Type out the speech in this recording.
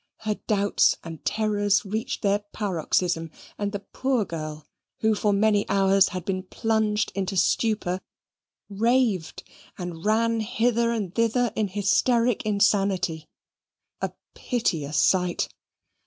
Her doubts and terrors reached their paroxysm; and the poor girl, who for many hours had been plunged into stupor, raved and ran hither and thither in hysteric insanity a piteous sight.